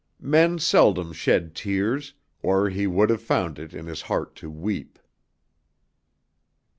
Men seldom shed tears, or he would have found it in his heart to weep.